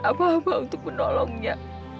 apa apa untuk menolongnya